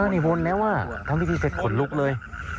นี่วนแล้วอ่ะทำพิธีเสร็จขนลุกเลย